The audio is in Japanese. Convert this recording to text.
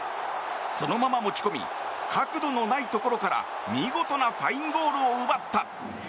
そのまま持ち込み角度のないところから見事なファインゴールを奪った。